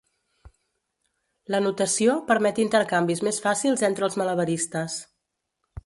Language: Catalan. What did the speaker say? La notació permet intercanvis més fàcils entre els malabaristes.